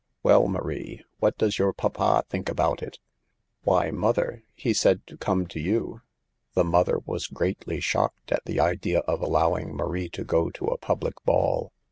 " Well, Marie, what does your papa think about it ?"" Why, mother, he said to come to you." The mother was greatly shocked at the idea of allowing Marie to go to a public ball.